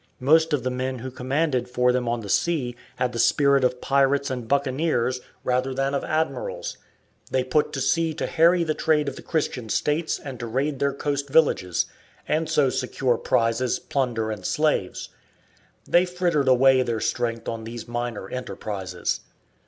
Most of the men who commanded for them on the sea had the spirit of pirates and buccaneers rather than of admirals. They put to sea to harry the trade of the Christian states and to raid their coast villages, and so secure prizes, plunder, and slaves. They frittered away their strength on these minor enterprises.